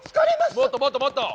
もっともっともっと！